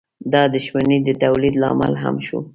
دا د شتمنۍ د تولید لامل هم شو.